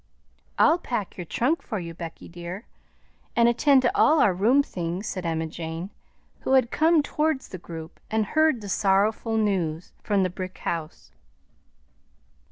"I'll pack your trunk for you, Becky dear, and attend to all our room things," said Emma Jane, who had come towards the group and heard the sorrowful news from the brick house.